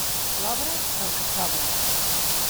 L'obra, del que sobra.